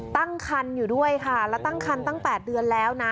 ตั้งคันอยู่ด้วยค่ะแล้วตั้งคันตั้ง๘เดือนแล้วนะ